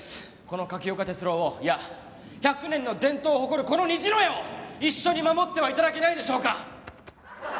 この柿丘哲郎をいや１００年の伝統を誇るこの虹の屋を一緒に守っては頂けないでしょうか。